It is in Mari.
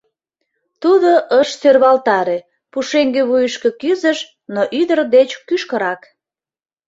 Тудо ыш сӧрвалтаре, пушеҥге вуйышко кӱзыш, но ӱдыр деч кӱшкырак.